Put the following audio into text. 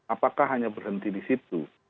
apakah hanya berhenti di situ